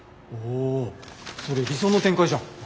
おお。それ理想の展開じゃん。